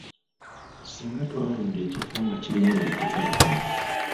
Singa twalonda ekifo nga kirimu ebidduka bitono.